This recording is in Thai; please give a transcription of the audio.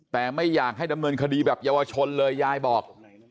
แต่ไม่อยากให้ดำเนินคดีแบบเยาวชนเลยยายบอก